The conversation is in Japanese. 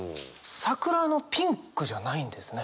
「桜のピンク」じゃないんですね。